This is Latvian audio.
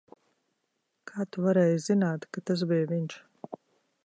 Kā tu varēji zināt, ka tas bija viņš?